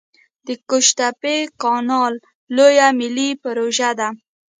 د قوش تیپې کانال لویه ملي پروژه ده